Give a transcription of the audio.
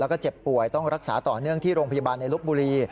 แล้วก็เจ็บป่วยต้องรักษาต่อเนื่องที่โรงพยาบาลในลบบุรี